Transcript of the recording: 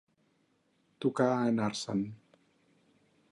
Tocar a anar-se'n.